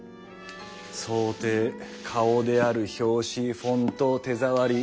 装丁顔である表紙フォント手触り。